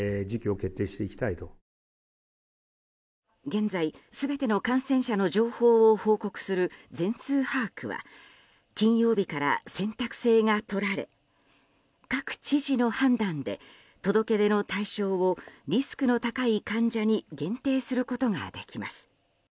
現在、全ての感染者の情報を報告する全数把握は金曜日から選択性がとられ各知事の判断で届け出の対象をリスクの高い患者に限定することができます。